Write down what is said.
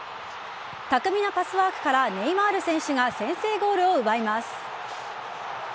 巧みなパスワークからネイマール選手が先制ゴールを奪います。